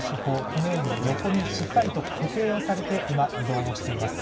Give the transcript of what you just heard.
このように横にしっかりと固定をされて今、移動をしています。